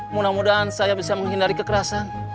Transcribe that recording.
mudah mudahan saya bisa menghindari kekerasan